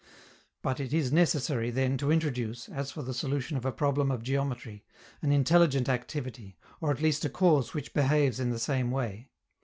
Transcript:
But it is necessary then to introduce, as for the solution of a problem of geometry, an intelligent activity, or at least a cause which behaves in the same way.